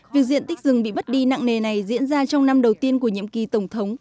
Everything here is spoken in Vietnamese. việc diện tích rừng bị mất đi nặng nề này diễn ra trong năm đầu tiên của nhiệm kỳ tổng thống